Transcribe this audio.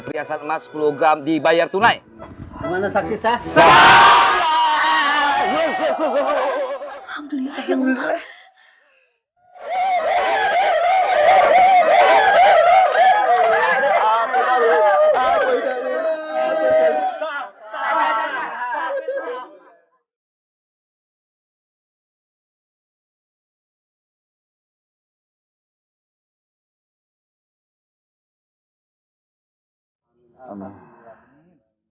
pria satmas program dibayar tunai mengenai saksi saya sahabat lu kekuatan